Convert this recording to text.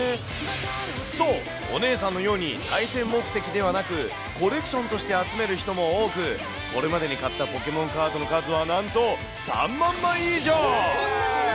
そう、お姉さんのように、対戦目的ではなくコレクションとして集める人も多く、これまでに買ったポケモンカードの数はなんと３万枚以上。